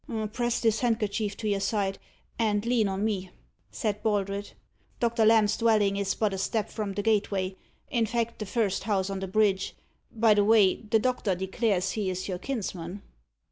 "Press this handkerchief to your side, and lean on me," said Baldred. "Doctor Lamb's dwelling is but a step from the gateway in fact, the first house on the bridge. By the way, the doctor declares he is your kinsman."